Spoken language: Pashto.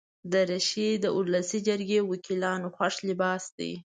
دریشي د ولسي جرګې وکیلانو خوښ لباس دی.